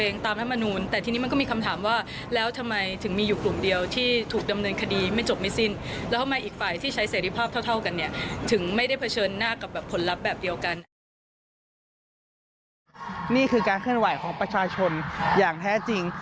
นี่คือการเคลื่อนไหวของประชาชนอย่างแท้จริง